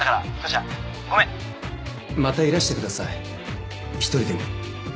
またいらしてください１人でも。